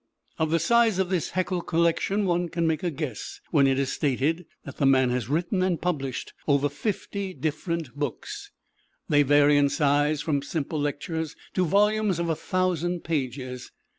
Of the size of this Haeckel collection one can make a guess when it is stated that the man has written and published over fifty different books. These vary in size from simple lectures to volumes of a thousand pages.